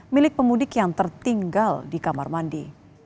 milik pemudik yang tertinggal di kamar mandi